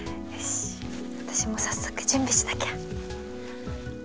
私も早速準備しなきゃ！